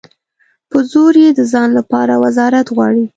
په زور یې د ځان لپاره وزارت غواړي.